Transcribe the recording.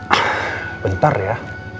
ah bentar ya